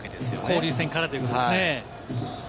交流戦からというわけですね。